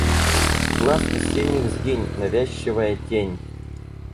С глаз весенних сгинь, навязчивая тень!